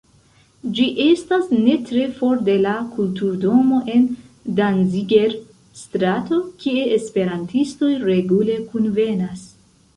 Ĝi estas ne tre for de la Kulturdomo en Danziger-strato, kie esperantistoj regule kunvenas.